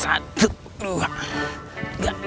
satu dua tiga